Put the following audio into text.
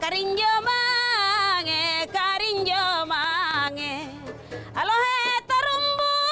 kering jomang kering jomang alohi terumbu karam